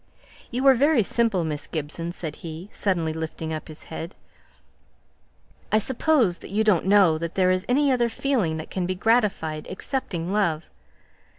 "You are very simple, Miss Gibson," said he, suddenly lifting up his head. "I suppose you don't know that there is any other feeling that can be gratified, except love.